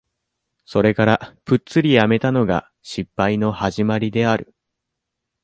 それからプッツリやめたのが、失敗の始まりである。